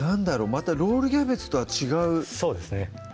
またロールキャベツとは違うそうですね